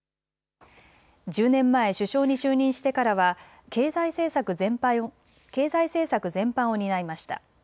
１０年前、首相に就任してからは経済政策全般を担いました。